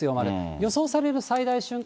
予想される最大瞬間